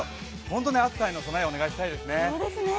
本当に暑さへの備えをお願いしたいですね。